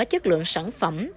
chất lượng sản phẩm